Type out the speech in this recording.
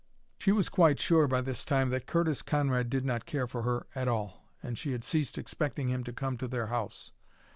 She was quite sure, by this time, that Curtis Conrad did not care for her at all, and she had ceased expecting him to come to their house.